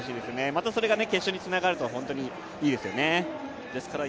またそれが決勝につながると本当にいいですよね。